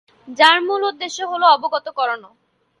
যার মূল উদ্দেশ্য হল অবগত করানো।